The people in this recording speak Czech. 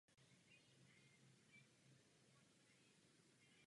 Pane předsedající, moje poznámky jsou určeny paní baronce Ashtonové.